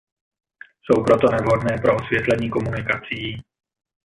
Jsou proto nevhodné pro osvětlení komunikací.